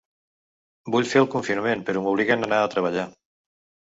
Vull fer el confinament però m’obliguen a anar a treballar.